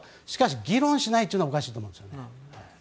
しかし議論しないというのはおかしいと思うんですよね。